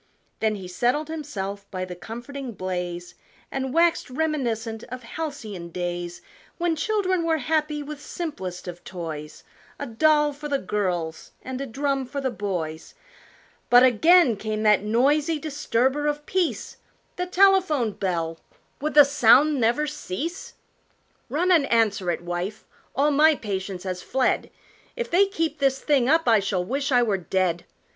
Then he settled himself by the comforting blaze And waxed reminiscent of halcyon days When children were happy with simplest of toys: A doll for the girls and a drum for the boys But again came that noisy disturber of peace The telephone bell would the sound never cease? "Run and answer it, wife, all my patience has fled, If they keep this thing up I shall wish I were dead!